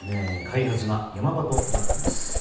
開発が山場となっています。